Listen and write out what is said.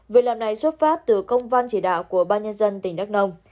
việc làm này xuất phát từ công văn chỉ đạo của ban nhân dân tỉnh đắk nông